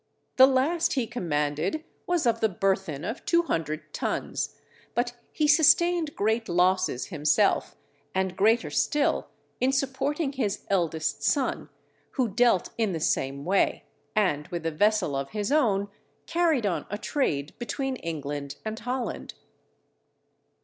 The last he commanded was of the burthen of 200 tons, but he sustained great losses himself, and greater still, in supporting his eldest son, who dealt in the same way, and with a vessel of his own carried on a trade between England and Holland.